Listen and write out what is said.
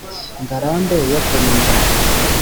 ngarambe yo kurinda